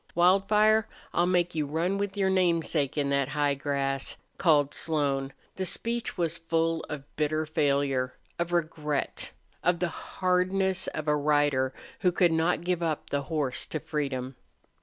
"Wildfire, I'll make you run with your namesake in that high grass," called Slone. The speech was full of bitter failure, of regret, of the hardness of a rider who could not give up the horse to freedom.